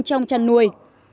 trong trăn nuôi